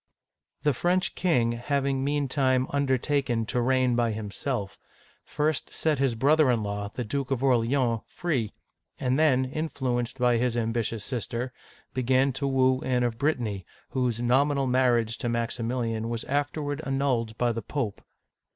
The French king, having meantime undertaken to reign by himself, first set his brother in law, the Duke of Orleans, free, and then, influenced by his ambitious sister, began to woo Anne of Brittany,' whose nominal marriage to Maximilian was afterward annulled by the Pope.